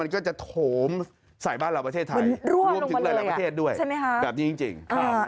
ก็จะโถมใส่บ้านเราประเทศไทยรวมถึงหลายประเทศด้วยแบบนี้จริง